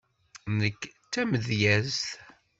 Nekk d tamedyazt.